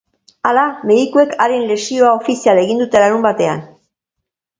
Hala, medikuek haren lesioa ofizial egin dute larunbatean.